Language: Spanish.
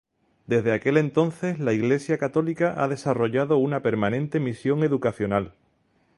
Desde aquel entonces la Iglesia católica ha desarrollado una permanente misión educacional.